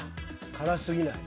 辛すぎない。